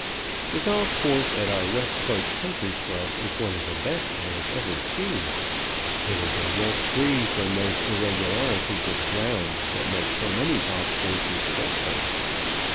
The golf course at our Westcote Country Club is one of the best I have ever seen. It is almost free from those irregularities of ground that make so many golf courses fretful.